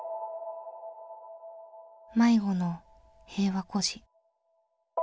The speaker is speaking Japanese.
迷子の「平和孤児」。